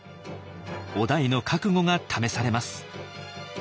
於大の覚悟が試されます。